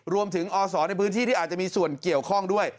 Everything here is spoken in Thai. อศในพื้นที่ที่อาจจะมีส่วนเกี่ยวข้องด้วย